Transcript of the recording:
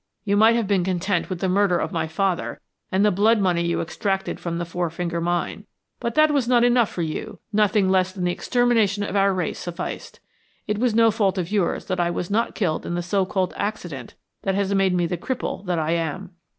You might have been content with the murder of my father and the blood money you extracted from the Four Finger Mine, but that was not enough for you nothing less than the extermination of our race sufficed. It was no fault of yours that I was not killed in the so called accident that has made me the cripple that I am.